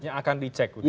yang akan dicek